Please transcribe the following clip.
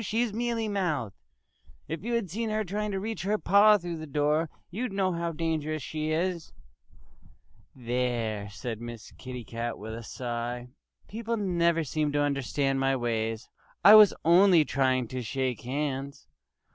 She's mealy mouthed.... If you had seen her trying to reach her paw through the door you'd know how dangerous she is." "There!" said Miss Kitty Cat with a sigh. "People never seem to understand my ways. I was only trying to shake hands!"